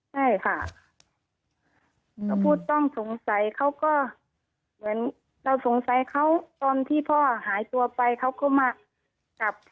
ใช่ค่ะก็ผู้ต้องสงสัยเขาก็เหมือนเราสงสัยเขาตอนที่พ่อหายตัวไปเขาก็มากลับ